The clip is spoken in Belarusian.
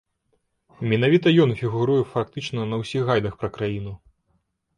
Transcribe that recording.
Менавіта ён фігуруе фактычна на ўсіх гайдах пра краіну.